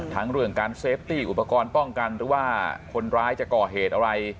เรื่องการเซฟตี้อุปกรณ์ป้องกันหรือว่าคนร้ายจะก่อเหตุอะไร